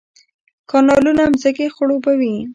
کانالونه ځمکې خړوبوي